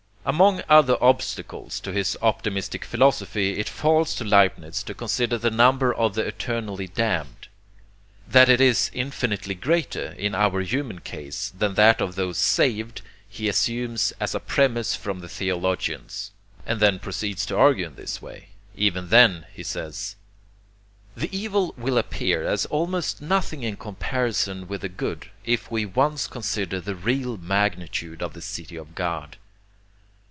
Among other obstacles to his optimistic philosophy, it falls to Leibnitz to consider the number of the eternally damned. That it is infinitely greater, in our human case, than that of those saved he assumes as a premise from the theologians, and then proceeds to argue in this way. Even then, he says: "The evil will appear as almost nothing in comparison with the good, if we once consider the real magnitude of the City of God.